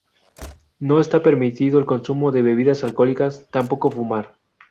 No está permitido el consumo de bebidas alcohólicas, tampoco fumar.